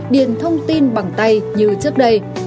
điện thông tin bằng tay như trước đây